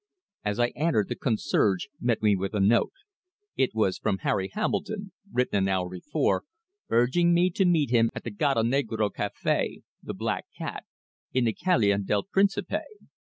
As I entered the concierge met me with a note. It was from Harry Hambledon, written an hour before, urging me to meet him at the Gato Negro Café (The Black Cat), in the Calle del Principe.